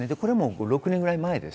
６年ぐらい前です。